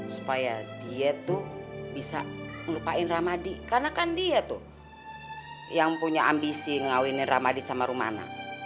supaya dia tuh bisa ngelupain ramadi karena kan dia tuh yang punya ambisi ngawinin ramadi sama rumana